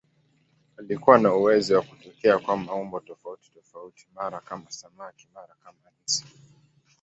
Alikuwa na uwezo wa kutokea kwa maumbo tofautitofauti, mara kama samaki, mara kama nzi.